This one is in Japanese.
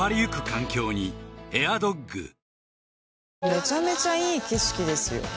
めちゃめちゃいい景色ですよ